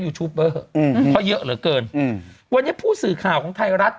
ยูทูบเบอร์อืมเพราะเยอะเหลือเกินอืมวันนี้ผู้สื่อข่าวของไทยรัฐ